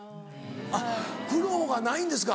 あっ苦労がないんですか。